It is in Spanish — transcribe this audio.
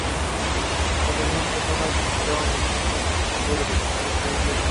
Doce mil personas visitaron el centro informativo en los primeros seis días.